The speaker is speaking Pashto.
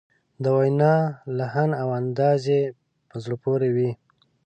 د وینا لحن او انداز یې په زړه پورې وي.